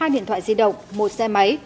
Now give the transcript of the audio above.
hai điện thoại di động một xe máy